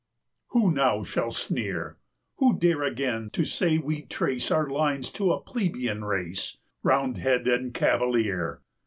Who now shall sneer? Who dare again to say we trace Our lines to a plebeian race? 330 Roundhead and Cavalier!